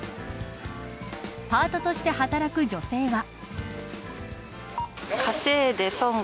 パートとして働く女性は。